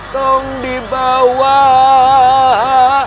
kau di bawah